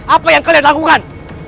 apa yang kalian lakukan